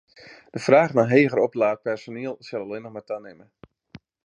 De fraach nei heger oplaat personiel sil allinnich mar tanimme.